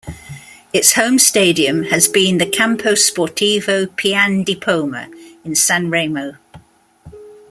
Its home stadium has been the "Campo Sportivo Pian di Poma" in Sanremo.